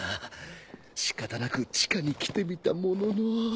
仕方なく地下に来てみたものの。